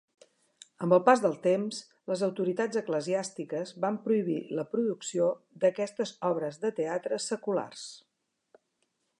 Amb el pas del temps, les autoritats eclesiàstiques van prohibir la producció d'aquestes obres de teatre "seculars".